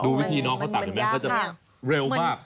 ดูวิธีน้องเขาตากได้มั๊ยเขาจะเร็วมาก